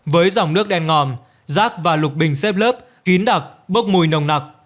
với dòng nước đen ngòm rác và lục bình xếp lớp kín đặc bốc mùi nồng nặc